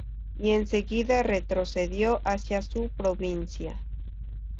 Y enseguida retrocedió hacia su provincia.